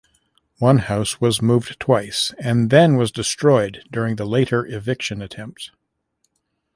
One house was moved twice and then was destroyed during the later eviction attempt.